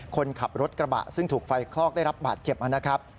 คนขับรถกระบะซึ่งถูกไฟคลอกได้รับบาดเจ็บนะครับ